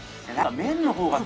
麺の量が。